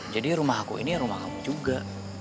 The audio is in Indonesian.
jadi rumah aku ini rumah kamu juga